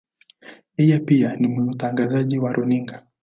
Yeye pia ni mtangazaji wa runinga.